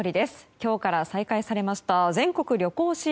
今日から再開されました全国旅行支援。